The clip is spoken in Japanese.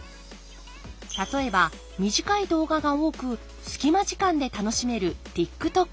例えば短い動画が多く隙間時間で楽しめるＴｉｋＴｏｋ。